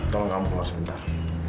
tolong kamu keluar sebentar